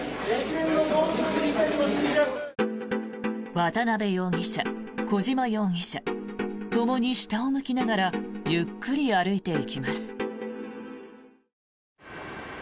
渡邉容疑者、小島容疑者ともに下を向きながらゆっくり歩いていきます。